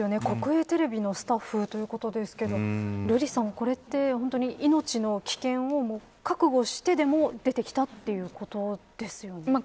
国営テレビのスタッフということですけれど瑠麗さんこれって本当に命の危険を覚悟してでも出てきたということですよね。